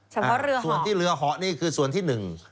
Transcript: ก็เรือหอส่วนที่เรือหอนี่คือส่วนที่หนึ่ง